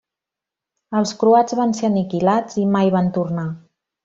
Els croats van ser aniquilats i mai van tornar.